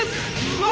うわ！